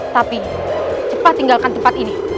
tapi cepat tinggalkan tempat ini